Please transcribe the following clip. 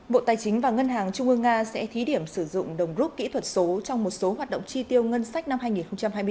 bộ tài chính và ngân hàng trung ương nga sẽ thí điểm sử dụng đồng rút kỹ thuật số trong một số hoạt động tri tiêu ngân sách năm hai nghìn hai mươi bốn